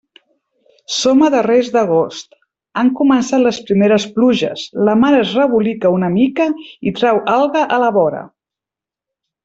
Som a darrers d'agost, han començat les primeres pluges, la mar es rebolica una mica i trau alga a la vora.